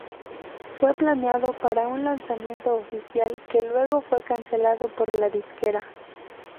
Fue planeado para un lanzamiento oficial, que luego fue cancelado por la disquera.